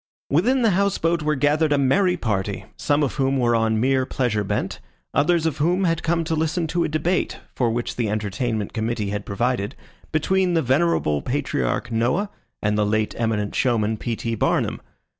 Within the house boat were gathered a merry party, some of whom were on mere pleasure bent, others of whom had come to listen to a debate, for which the entertainment committee had provided, between the venerable patriarch Noah and the late eminent showman P. T. Barnum.